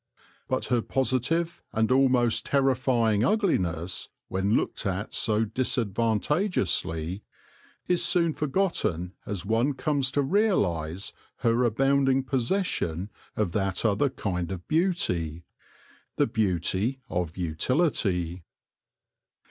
But her positive and almost terrifying ugliness, when looked at so disadvantageously, is soon forgotten as one comes to realise her abounding possession of that other kind of beauty — the beauty of utility.